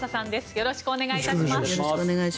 よろしくお願いします。